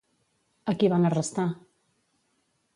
A qui van arrestar?